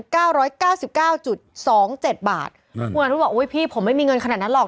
คุณอัฐวุธบอกว่าโอ๊ยพี่ผมไม่มีเงินขนาดนั้นหรอก